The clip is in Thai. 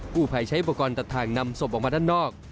ผู้ภัยใช้อุปกรณ์ตัดทางนำศพออกมาด้านนอก